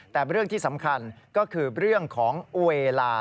แต่เรื่องที่สำคัญก็คือเรื่องของเวลา